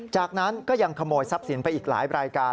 จากนั้นก็ยังขโมยทรัพย์สินไปอีกหลายรายการ